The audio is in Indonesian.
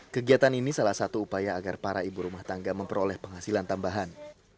kegiatan ini salah satu upaya agar para ibu rumah tangga memperoleh penghasilan tambahan